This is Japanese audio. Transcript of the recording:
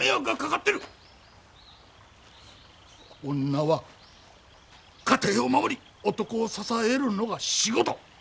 女は家庭を守り男を支えるのが仕事！